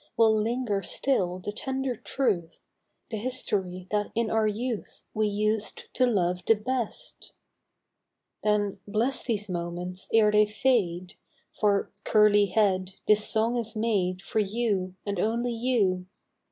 Will linger still the tender truth. The history that in our youth We used to love the best ! go In Years to Come, Then bless these moments ere they fade, (For, Curly Head, this song is made For you and only you